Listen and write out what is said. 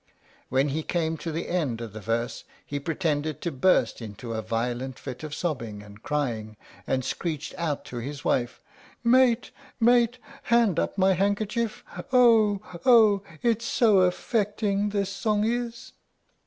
When he came to the end of the verse he pretended to burst into a violent fit of sobbing and crying, and screeched out to his wife, "Mate! mate! hand up my handkerchief. Oh! oh! it's so affecting, this song is."